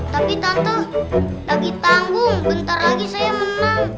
tapi tante lagi tanggung bentar lagi saya menang